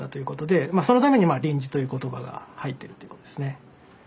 そのために「臨時」という言葉が入ってるってことですね。